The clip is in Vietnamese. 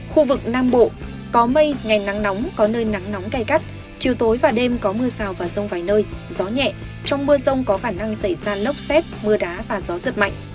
khu vực nam bộ có mây ngày nắng nóng có nơi nắng nóng cay gắt chiều tối và đêm có mưa rào và rông vài nơi gió nhẹ trong mưa rông có khả năng xảy ra lốc xét mưa đá và gió giật mạnh